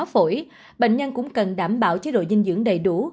trong khám hô hấp bệnh nhân cũng cần đảm bảo chế độ dinh dưỡng đầy đủ